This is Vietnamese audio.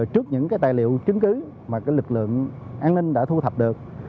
trước những tài liệu chứng cứ mà lực lượng an ninh đã thu thập được